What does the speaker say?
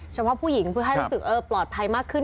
เฉพาะผู้หญิงเพื่อให้รู้สึกปลอดภัยมากขึ้น